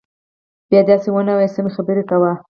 بيا دسې ونه وايي سمې خبرې کوه.